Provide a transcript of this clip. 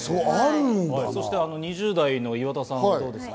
２０代の岩田さんはどうですか？